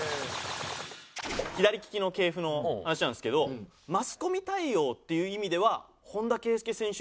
左利きの系譜の話なんですけどマスコミ対応っていう意味では本田圭佑選手